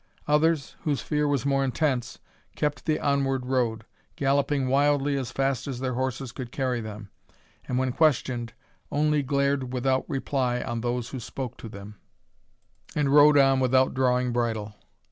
Others, whose fear was more intense, kept the onward road, galloping wildly as fast as their horses could carry them, and when questioned, only glared without reply on those who spoke to them, and rode on without drawing bridle.